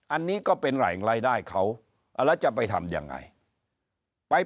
อันนี้ก็เป็นแหล่งรายได้เขาแล้วจะไปทำยังไงไป